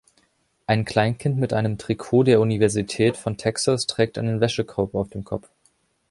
Ein Kleinkind mit einem Trikot der Universität von Texas trägt einen Wäschekorb auf dem Kopf.